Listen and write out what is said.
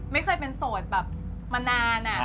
ไม่เคยเป็นโสดแบบมานานอะ